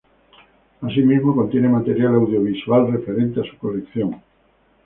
Así mismo, contiene material audiovisual referente a su colección.